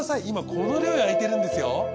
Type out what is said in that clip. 今この量を焼いてるんですよ。